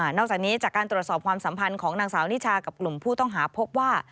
นอกจากนี้จากการตรวจสอบความสัมพันธ์ของนางสาวนิชากับกลุ่มผู้ต้องหาพบว่า